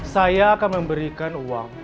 saya akan memberikan uang